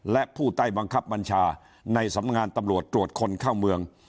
และผู้ใต้บังคับบัญชาในสำงานตำรวจตรวจคนเข้าเมือง